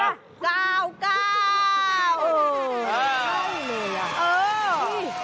เฮ้ยหนูอ่ะนี่